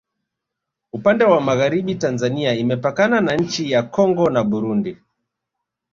upande wa magharibi tanzania imepakana na nchi ya kongo na burundi